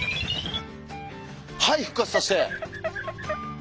はい復活させて！